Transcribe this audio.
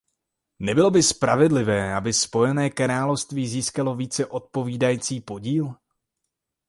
Nebylo by spravedlivé, aby Spojené království získalo více odpovídající podíl?